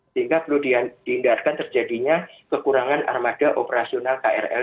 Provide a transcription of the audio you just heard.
sehingga perlu dihindarkan terjadinya kekurangan armada operasional krl